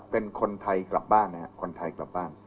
เป็นคนไทยกลับบ้านนะครับคนไทยกลับบ้าน